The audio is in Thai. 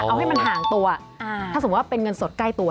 เอาให้มันห่างตัวถ้าสมมุติว่าเป็นเงินสดใกล้ตัว